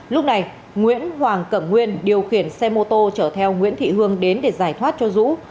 lúc này nguyễn hoàng cẩm nguyên điều khiển xe mô tô chở theo nguyễn thị hương đến để giải thoát cho dũ